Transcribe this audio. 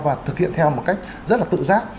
và thực hiện theo một cách rất là tự giác